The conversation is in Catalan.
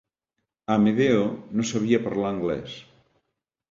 Amedeo no sabia parlar anglès.